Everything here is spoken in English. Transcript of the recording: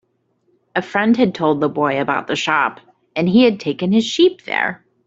A friend had told the boy about the shop, and he had taken his sheep there.